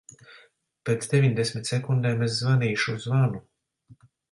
Pēc deviņdesmit sekundēm es zvanīšu zvanu.